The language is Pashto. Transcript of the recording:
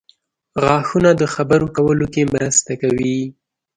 • غاښونه د خبرو کولو کې مرسته کوي.